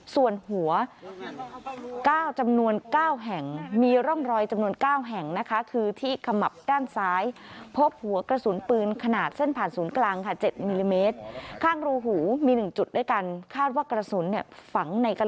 ส่วนหัวจำนวน๙แห่งมีร่องรอยจำนวน๙แห่งนะคะ